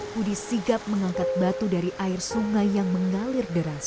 budi sigap mengangkat batu dari air sungai yang mengalir deras